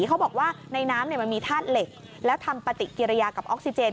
เขาบอกว่าในน้ำมันมีธาตุเหล็กแล้วทำปฏิกิริยากับออกซิเจน